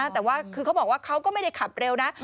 แต่ว่าคือเขาบอกว่าเขาก็ไม่ได้ขับเร็วนะ